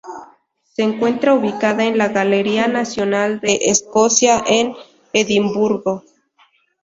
Se encuentra ubicada en la Galería Nacional de Escocia en Edimburgo.